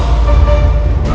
roy itu adalah